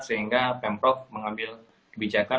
sehingga pemprov mengambil kebijakan